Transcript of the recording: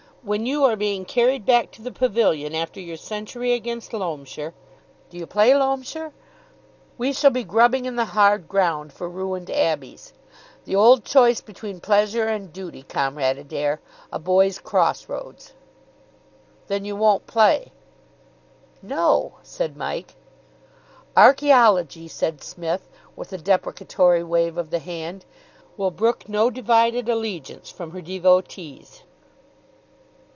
When you are being carried back to the pavilion after your century against Loamshire do you play Loamshire? we shall be grubbing in the hard ground for ruined abbeys. The old choice between Pleasure and Duty, Comrade Adair. A Boy's Cross Roads." "Then you won't play?" "No," said Mike. "Archaeology," said Psmith, with a deprecatory wave of the hand, "will brook no divided allegiance from her devotees."